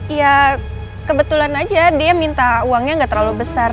ya kebetulan aja dia minta uangnya nggak terlalu besar